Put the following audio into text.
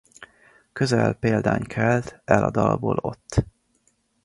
Közel példány kelt el a dalból ott.